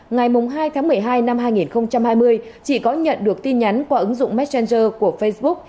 ngày hai tháng một mươi hai năm hai nghìn hai mươi chị có nhận được tin nhắn qua ứng dụng messenger của facebook